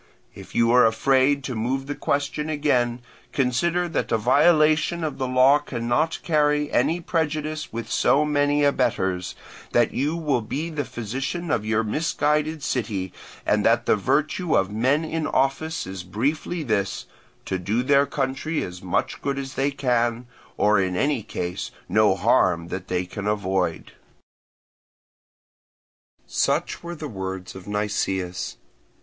If you are afraid to move the question again, consider that a violation of the law cannot carry any prejudice with so many abettors, that you will be the physician of your misguided city, and that the virtue of men in office is briefly this, to do their country as much good as they can, or in any case no harm that they can avoid." Such were the words of Nicias.